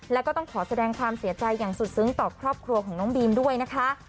แล้วก็ต้องขอแสดงความเสียใจอย่างสุดซึ้งต่อครอบครัวของน้องบีมด้วยนะคะ